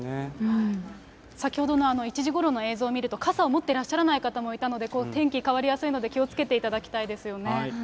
先ほどの１時ごろの映像を見ると、傘を持ってらっしゃらない方もいたので、天気変わりやすいので、気をつけていただきたいですよね。